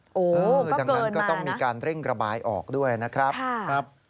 โอ้โฮก็เกินมานะดังนั้นก็ต้องมีการเร่งระบายออกด้วยนะครับ